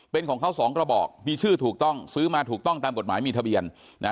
เป็นของเขาสองกระบอกมีชื่อถูกต้องซื้อมาถูกต้องตามกฎหมายมีทะเบียนนะ